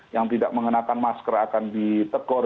yang tidak mengenakan masker akan ditegur